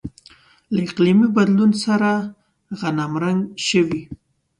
له اقلیمي بدلون سره غنمرنګ شوي.